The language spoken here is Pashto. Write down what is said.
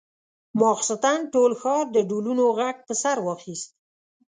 ماخستن ټول ښار د ډولونو غږ پر سر واخيست.